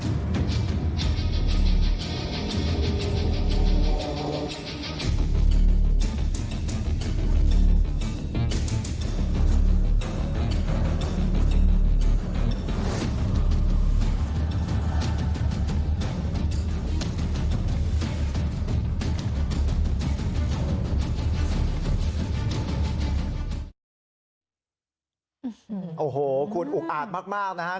โอ้โหคุณอุกอาจมากนะครับ